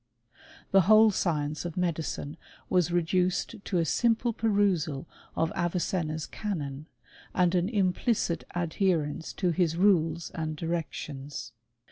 The whole science of medicine was reduced to a simple perusal of Avicenna's Canon, and an implicit adherence to his rules and directions.